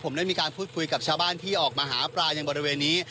ผมได้มีการพูดคุยกับชาวบ้านที่ออกมาหาปลายังบริเวณนี้